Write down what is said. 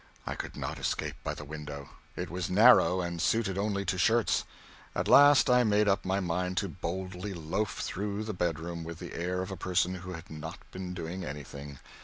I could not escape by the window. It was narrow, and suited only to shirts. At last I made up my mind to boldly loaf through the bedroom with the air of a person who had not been doing anything.